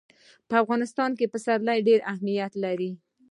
په افغانستان کې پسرلی ډېر اهمیت لري.